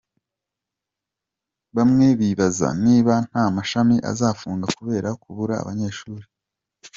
Bamwe bibaza niba nta mashami azafunga kubera kubura abanyeshuri.